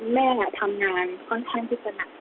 แม่ทำงานค่อนข้างที่จะหนัก